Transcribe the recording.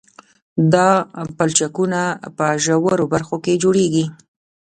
دا پلچکونه په ژورو برخو کې جوړیږي